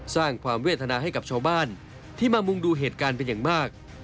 สร้างความเวทนาให้กับชาวบ้านที่มามุงดูเหตุการณ์เป็นอย่างมาก